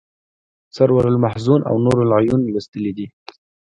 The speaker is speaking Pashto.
سرور المحزون او نور العیون لوستلی دی.